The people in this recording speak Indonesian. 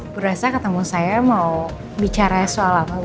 berasa ketemu saya mau bicara soal apa